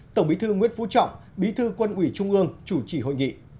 tổng bí thư nguyễn phú trọng bí thư quân ủy trung ương chủ trì hội nghị